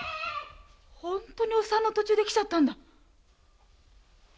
本当にお産の途中で来ちゃったんだ。